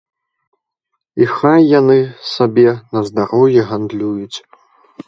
І хай яны сабе на здароўе гандлююць.